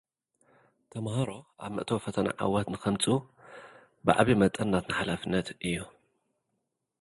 ተማሃሮ፡ ኣብ መእተዊ ፈተና ዓወት ንኸምጽኡ፡ ብዓቢ መጠን ናትና ሓላፍነት እዩ።